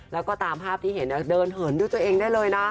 แล้วก็ตามภาพที่เห็นเดินเหินด้วยตัวเองได้เลยนะ